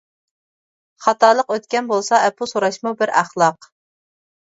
خاتالىق ئۆتكەن بولسا ئەپۇ سوراشمۇ بىر ئەخلاق.